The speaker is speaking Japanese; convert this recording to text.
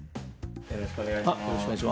よろしくお願いします。